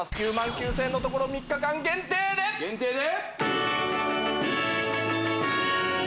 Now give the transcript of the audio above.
９９０００円のところ３日間限定で限定で？